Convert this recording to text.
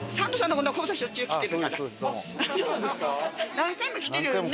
何回も来てるよね？